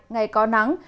ngày có nắng